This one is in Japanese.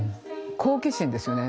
好奇心ですよね。